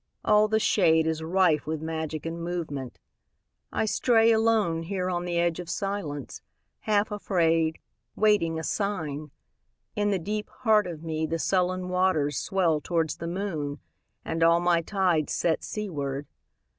All the shade Is rife with magic and movement. I stray alone Here on the edge of silence, half afraid, Waiting a sign. In the deep heart of me The sullen waters swell towards the moon, And all my tides set seaward.